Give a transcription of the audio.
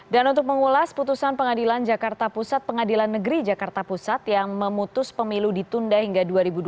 dan untuk mengulas putusan pengadilan jakarta pusat pengadilan negeri jakarta pusat yang memutus pemilu ditunda hingga dua ribu dua puluh lima